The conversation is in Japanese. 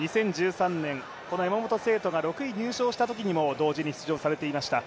２０１３年、山本聖途が６位入賞したときにも同時に出場されていました。